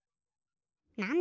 なんだ？